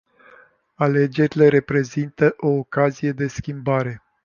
Alegerile reprezintă o ocazie de schimbare.